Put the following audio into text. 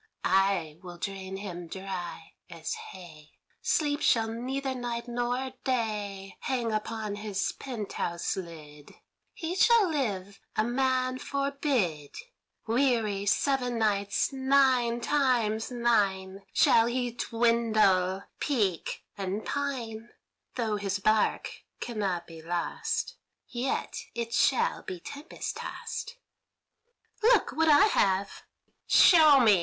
I will drain him dry as hay; Sleep shall neither night nor day Hang upon his pent house lid; He shall live a man forbid: Weary seven nights nine times nine Shall he dwindle, peak and pine: Though his bark cannot be lost, Yet it shall be tempest tost. Look what I have." "Show me, show me!"